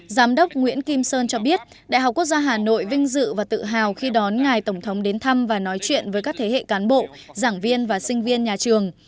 giám đốc nguyễn kim sơn cho biết đại học quốc gia hà nội vinh dự và tự hào khi đón ngài tổng thống đến thăm và nói chuyện với các thế hệ cán bộ giảng viên và sinh viên nhà trường